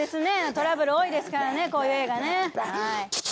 トラブル多いですからねこういう映画ねはい。